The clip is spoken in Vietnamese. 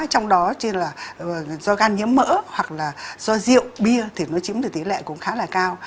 trong đó trên là do gan nhiễm mỡ hoặc là do rượu bia thì nó chiếm từ tỷ lệ cũng khá là cao